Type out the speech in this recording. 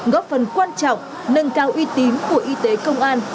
góp phần quan trọng nâng cao uy tín của y tế công an